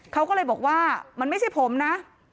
เขาก็เลยบอกว่ามันไม่ใช่ผมนะ